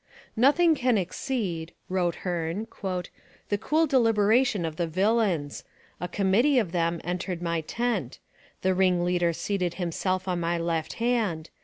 'Nothing can exceed,' wrote Hearne, 'the cool deliberation of the villains. A committee of them entered my tent. The ringleader seated himself on my left hand.